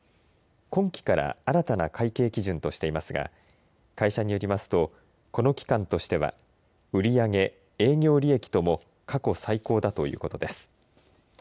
今期から新たな会計基準としていますが会社によりますとこの期間としては売上営業利益とも過去最高だということです。